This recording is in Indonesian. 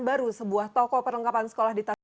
baru sebuah toko perlengkapan sekolah ditangani